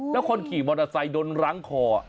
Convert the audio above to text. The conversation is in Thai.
แล้วคนขี่มอเตอร์ไซค์โดนรั้งคอ